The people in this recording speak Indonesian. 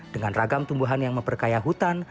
dengan ragam tumbuhan yang memperkaya hutan